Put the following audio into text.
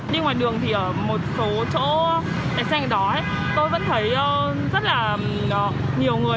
đi ngoài đường thì ở một số chỗ để xe này đó tôi vẫn thấy rất là nhiều người